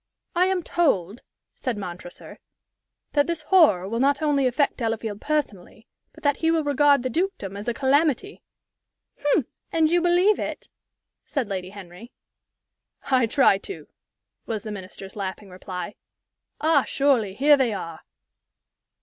"I am told," said Montresor, "that this horror will not only affect Delafield personally, but that he will regard the dukedom as a calamity." "Hm! and you believe it?" said Lady Henry. "I try to," was the Minister's laughing reply. "Ah, surely, here they are!"